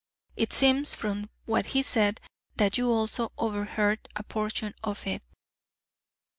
It seems from what he said that you also overheard a portion of it."